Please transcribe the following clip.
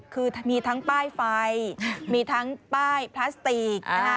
คือมีทั้งป้ายไฟมีทั้งป้ายพลาสติกนะคะ